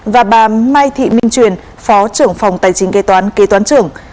và bà mai thị minh truyền phó trưởng phòng tài chính kế toán kê toán trưởng